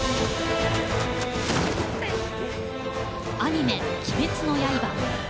アニメ「鬼滅の刃」。